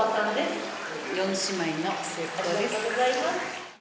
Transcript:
ありがとうございます。